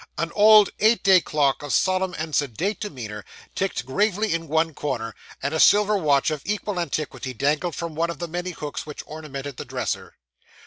An old eight day clock, of solemn and sedate demeanour, ticked gravely in one corner; and a silver watch, of equal antiquity, dangled from one of the many hooks which ornamented the dresser.